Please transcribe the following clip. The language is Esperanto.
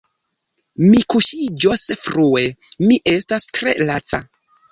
Mi kuŝiĝos frue, mi estas tre laca.